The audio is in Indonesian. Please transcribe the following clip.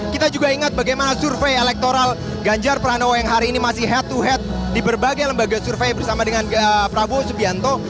kita juga ingat bagaimana survei elektoral ganjar pranowo yang hari ini masih head to head di berbagai lembaga survei bersama dengan prabowo subianto